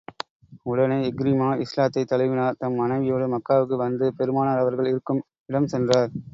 உடனே இக்ரிமா இஸ்லாத்தைத் தழுவினார் தம் மனைவியோடு மக்காவுக்கு வந்து பெருமானார் அவர்கள் இருக்கும் இடம் சென்றார்.